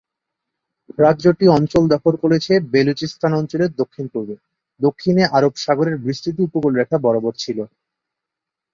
রাজ্যটি অঞ্চল দখল করেছে বেলুচিস্তান অঞ্চলের দক্ষিণ-পূর্বে, দক্ষিণে আরব সাগরের বিস্তৃত উপকূলরেখা বরাবর ছিল।